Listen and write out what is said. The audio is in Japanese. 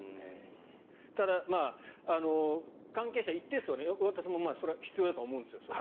ただ、関係者一定数は私もそれは必要だと思うんですよ。